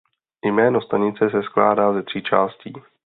Jméno stanice se skládá ze tří částí.